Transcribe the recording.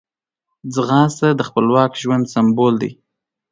ځغاسته د خپلواک ژوند سمبول دی